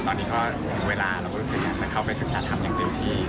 ตอนนี้ก็ถึงเวลาเราก็รู้สึกอยากจะเข้าไปศึกษาทำอย่างเต็มที่